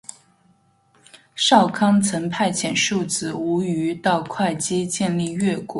少康曾经派遣庶子无余到会稽建立越国。